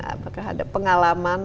apakah ada pengalaman